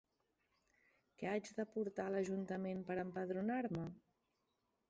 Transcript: Què haig de portar a l'Ajuntament per empadronar-me?